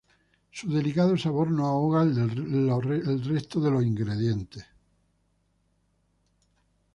Su delicado sabor no ahoga el del resto de ingredientes.